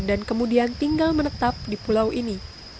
dan kemudian tinggal menetap di pulau ini